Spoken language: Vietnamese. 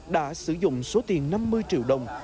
đã sử dụng số tiền năm mươi triệu đồng